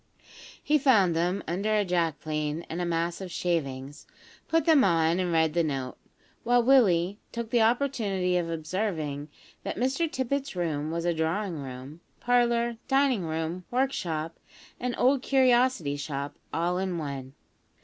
He found them under a jack plane and a mass of shavings; put them on and read the note, while Willie took the opportunity of observing that Mr Tippet's room was a drawing room, parlour, dining room, workshop, and old curiosity shop, all in one.